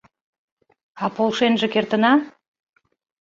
— А полшенже кертына?